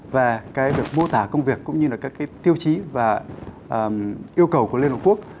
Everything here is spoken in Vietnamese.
và cái việc mô tả công việc cũng như là các cái tiêu chí và yêu cầu của liên hợp quốc